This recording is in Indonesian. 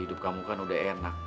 hidup kamu kan udah enak